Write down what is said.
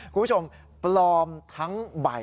คุณผู้ชมปลอมทั้งใบ